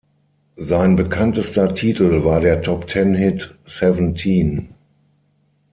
Sein bekanntester Titel war der Top-Ten-Hit "Seventeen".